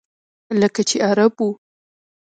لکه چې عرب و.